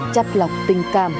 chặt lọc tình cảm